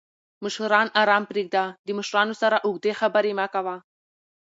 مشران آرام پریږده! د مشرانو سره اوږدې خبرې مه کوه